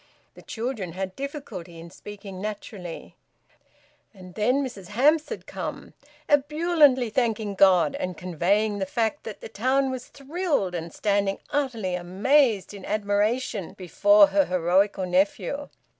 The children had difficulty in speaking naturally. And then Mrs Hamps had come, ebulliently thanking God, and conveying the fact that the town was thrilled and standing utterly amazed in admiration before her heroical nephew.